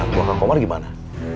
kalau aku sama kang komar gimana